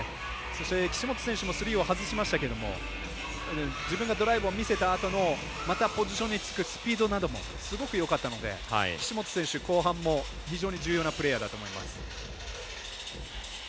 そして、岸本選手もスリーを外しましたけれども自分がドライブを見せたあとのまたポジションにつくスピードなどもすごくよかったので岸本選手、後半も非常に重要なプレーヤーだと思います。